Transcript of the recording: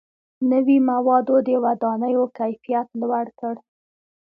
• نوي موادو د ودانیو کیفیت لوړ کړ.